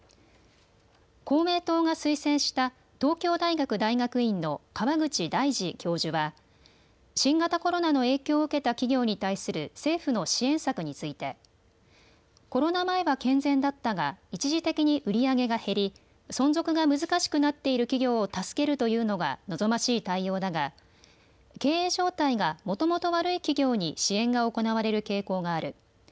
公明党が推薦した東京大学大学院の川口大司教授は新型コロナの影響を受けた企業に対する政府の支援策についてコロナ前は健全だったが一時的に売り上げが減り存続が難しくなっている企業を助けるというのが望ましい対応だが経営状態がもともと悪い企業に支援が行われる傾向がある。